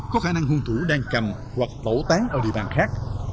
có khả năng hung thủ đang cầm hoặc tẩu tán ở địa bàn khác